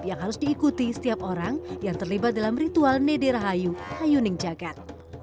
yang harus diikuti setiap orang yang terlibat dalam ritual nederahayu ayuning jagad